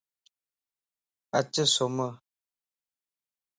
اچ سُمَ